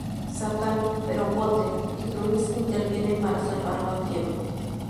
Satán, pero Goten y Trunks intervienen para salvarlo a tiempo.